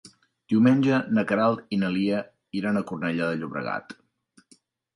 Diumenge na Queralt i na Lia iran a Cornellà de Llobregat.